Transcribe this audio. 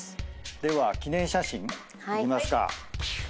では記念写真いきますか。